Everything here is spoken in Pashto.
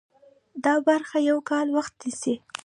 دا برخه یو کال وخت نیسي.